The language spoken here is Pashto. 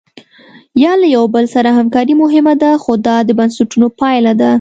یا له یو بل سره همکاري مهمه ده خو دا د بنسټونو پایله ده.